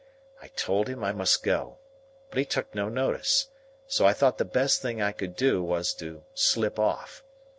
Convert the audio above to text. I told him I must go, but he took no notice, so I thought the best thing I could do was to slip off.